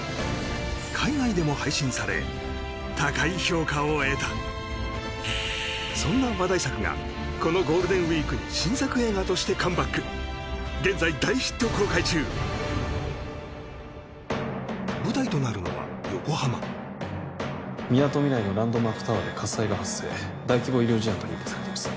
海外でも配信され高い評価を得たそんな話題作がこのゴールデンウイークに新作映画としてカムバック現在大ヒット公開中舞台となるのは横浜みなとみらいのランドマークタワーで火災が発生大規模医療事案と認定されています